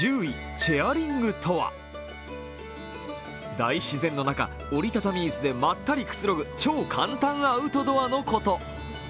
大自然の中、折り畳み椅子でまったりくつろぐ、超簡単アウトドアのこと。